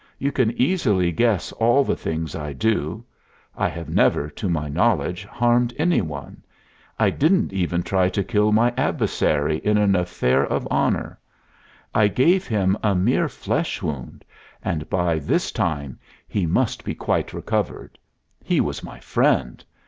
You can easily guess all the things I do. I have never, to my knowledge, harmed any one. I didn't even try to kill my adversary in an affair of honor. I gave him a mere flesh wound, and by this time he must be quite recovered. He was my friend.